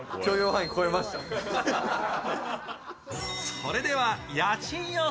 それでは家賃予想。